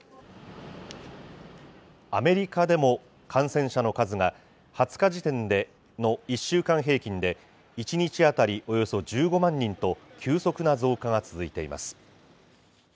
アメリカでも感染者の数が２０日時点での１週間平均で、１日当たりおよそ１５万人と、急速な増加が続いています。